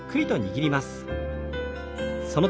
はい。